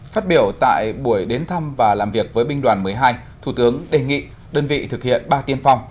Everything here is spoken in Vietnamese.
phát biểu tại buổi đến thăm và làm việc với binh đoàn một mươi hai thủ tướng đề nghị đơn vị thực hiện ba tiên phong